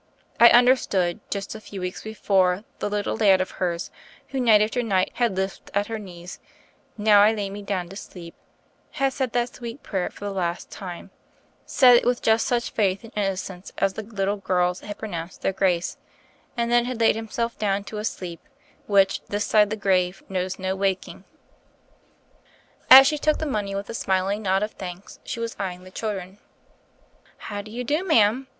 I understood: just a few weeks before, the little lad of hers who night after night had lisped at her knees, "Now I lay me down to sleep," had said that sweet prayer for the last time — said it with just such faith and innocence as the little girls had pronounced their grace — and then had laid himself down to a sleep, which, this side the grave, knows no waking. 36 THE FAIRY OF THE SNOWS As she took the money with a smiling nod of thanks, she was eyeing the children. "How do you do, ma'am?"